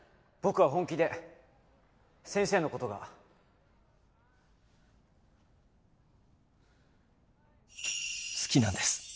僕は本気で先生のことが好きなんです